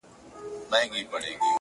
لعنتي د بنده گانو او بادار سوم!!